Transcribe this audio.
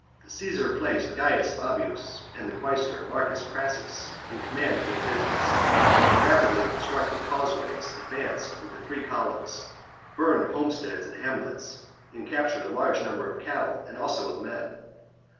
6. Caesar placed Gaius Fabius and the quaestor, Marcus Crassus, in command of divisions, and, rapidly constructing causeways, advanced with the three columns, burned home steads and hamlets, and captured a large number of cattle and also of men.